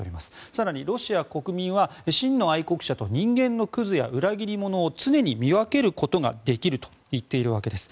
更にロシア国民は真の愛国者と人間の屑や裏切り者を常に見分けることができると言っているわけです。